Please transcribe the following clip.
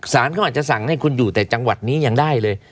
สารเขาอาจจะสั่งให้คุณอยู่แต่จังหวัดนี้ยังได้เลย